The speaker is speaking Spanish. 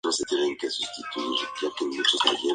El nombre del pueblo viene de la Autopista Haines.